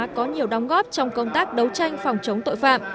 có nhiều đóng góp trong công tác đấu tranh phòng chống tội phạm